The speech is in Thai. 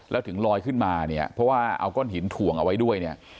แล้วถึงลอยขึ้นมาเนี่ยเพราะว่าเอาก้อนหินถ่วงเอาไว้ด้วยเนี่ย